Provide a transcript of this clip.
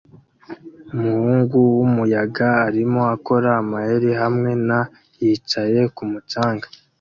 Umuhungu wumuyabaga arimo akora amayeri hamwe na yicaye kumu canga